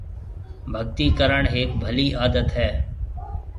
ڀگتِي ڪرڻ هيَڪ ڀلِي عادت هيَ۔